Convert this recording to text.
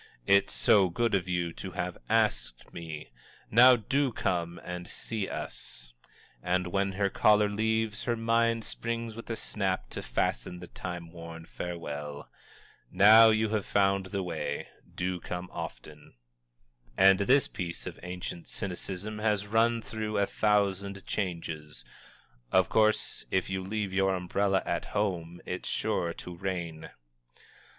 "_ "It's SO good of you to have asked me!" "Now, DO come and see us!" And when her caller leaves, her mind springs with a snap to fasten the time worn farewell: "Now you have found the way, do come often!" And this piece of ancient cynicism has run through a thousand changes: "_Of course if you leave your umbrella at home it's sure to rain!